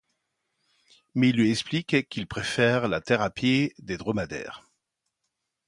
Mais il lui explique qu'il préfère la thérapie des dromadaires.